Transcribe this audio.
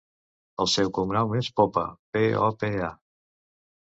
El seu cognom és Popa: pe, o, pe, a.